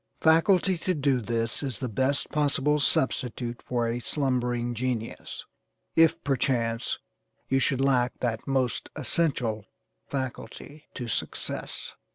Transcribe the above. Faculty to do this is the 'best possible substitute for a slumbering genius,' if perchance you should lack that 'most essential faculty to success.'